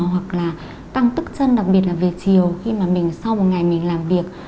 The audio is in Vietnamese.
hoặc là tăng tức chân đặc biệt là về chiều khi mà mình sau một ngày mình làm việc